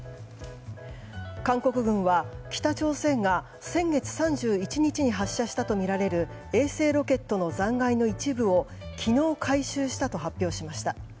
韓国軍は、北朝鮮が先月３１日に発射したとみられる衛星ロケットの残骸の一部を昨日、回収したと発表しました。